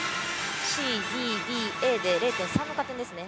Ｃ、Ｄ、Ｄ、Ｅで０．３点の加点ですね。